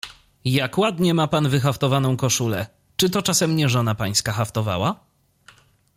"Jak ładnie ma pan wyhaftowaną koszulę, czy to czasem nie żona pańska haftowała?"